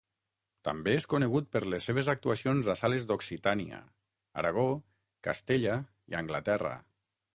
També és conegut per les seves actuacions a sales d'Occitània, Aragó, Castella i Anglaterra.